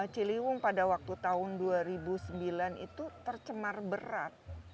ciliwung pada waktu tahun dua ribu sembilan itu tercemar berat